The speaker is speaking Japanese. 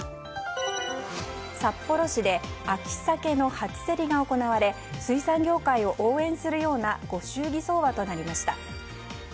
札幌市で秋サケの初競りが行われ水産業界を応援するようなご祝儀相場となりました。